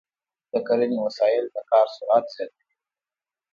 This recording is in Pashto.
د کرنې وسایل د کاري سرعت زیاتوي.